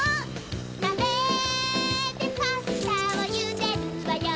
なべでパスタをゆでるわよ